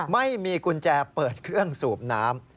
ไม่มีกุญแจเปิดเครื่องสูบน้ำ